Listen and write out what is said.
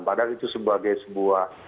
padahal itu sebagai sebuah